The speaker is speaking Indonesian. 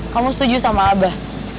kamu setuju sama abah